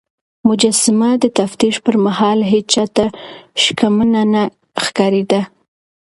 مجسمه د تفتيش پر مهال هيڅ چا ته شکمنه نه ښکارېده.